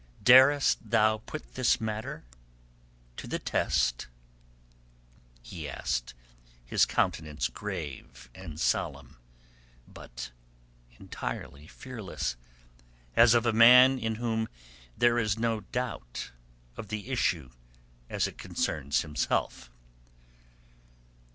Darest thou put this matter to the test?" he asked, his countenance grave and solemn, but entirely fearless, as of a man in whom there is no doubt of the issue as it concerns himself.